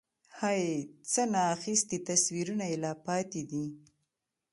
هَی؛ څه نا اخیستي تصویرونه یې لا پاتې دي